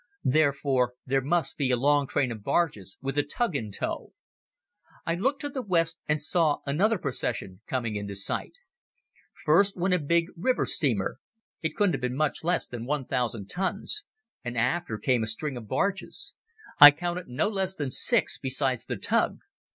Therefore there must be a long train of barges, with a tug in tow. I looked to the west and saw another such procession coming into sight. First went a big river steamer—it can't have been much less than 1,000 tons—and after came a string of barges. I counted no less than six besides the tug.